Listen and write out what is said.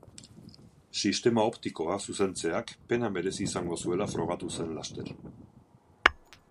Sistema optikoa zuzentzeak pena merezi izango zuela frogatu zen laster.